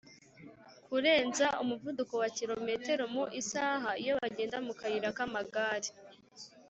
Kurenza umuvuduko wa kilometero mu isaha iyo bagenda mu kayira k amagare